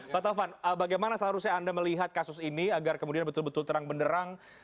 pak taufan bagaimana seharusnya anda melihat kasus ini agar kemudian betul betul terang benderang